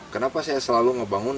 kenapa saya selalu ngebangun